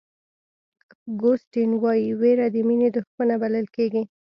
اګوستین وایي وېره د مینې دښمنه بلل کېږي.